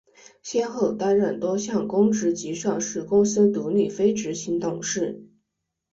先后担任多项公职及上市公司独立非执行董事。